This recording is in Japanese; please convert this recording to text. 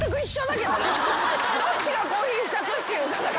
どっちが「コーヒー２つ」って言う。